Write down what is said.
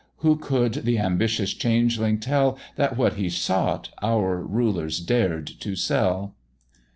who could th' ambitious changeling tell, That what he sought our rulers dared to sell?